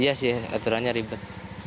iya sih aturannya ribet